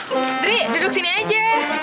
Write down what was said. duh indri duduk sini aja